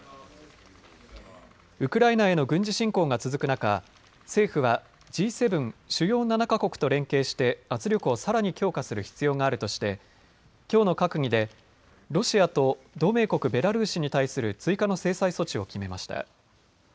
ウクライナへの軍事侵攻が続く中、政府はＧ７・主要７か国と連携して圧力をさらに強化する必要があるとしてきょうの閣議でロシアと同盟国ベラルーシに対する追加の制裁措置を決めました。